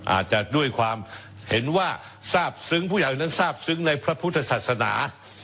อาจจะด้วยความเห็นว่าทราบซึ้งผู้ใหญ่นั้นทราบซึ้งในพระพุทธศาสนา